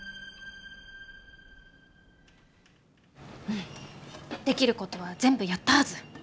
うんできることは全部やったはず。